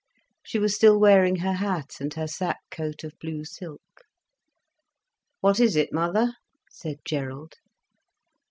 She was still wearing her hat, and her sac coat of blue silk. "What is it, mother?" said Gerald.